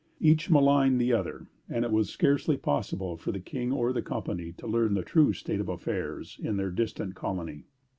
Each maligned the other, and it was scarcely possible for the King or the Company to learn the true state of affairs in their distant colony.